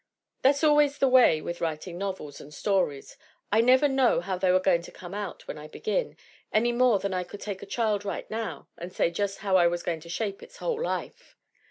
"That's always the way with writing novels and stories. I never know how they are going to come out when I begin, any more than I could take a child right now and say just how I was going to shape its whole life.